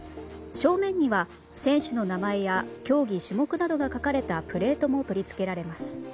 正面には、選手の名前や競技・種目などが書かれたプレートも取り付けられます。